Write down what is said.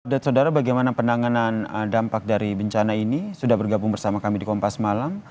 saudara bagaimana penanganan dampak dari bencana ini sudah bergabung bersama kami di kompas malam